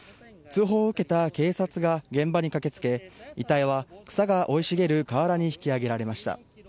通報を受けた警察が現場に駆けつけ遺体は草が生い茂る河原に引き上げられました。